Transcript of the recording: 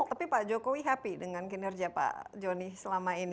tapi pak jokowi happy dengan kinerja pak joni selama ini